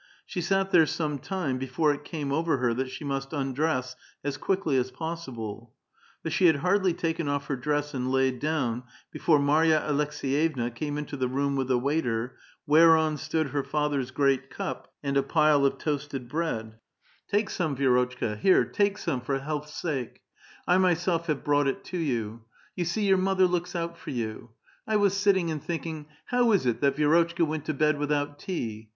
She sat there some time before it came over her that she must undress as quickly as possible ; but she had hardly taken off her dress and laid down, before Marya Aleks^yevna came into the room with a waiter, whereon stood her father's great cup and a pile of toasted bread. 20 A VITAL QUESTION. ^^Take some, Vi^rotchka; here, take some, for health's sake ! I myself have brought it to you. You see your mother looks out for you. I was sitting and thinking, ^ How is it that Vi^rotchka went to bed without tea?'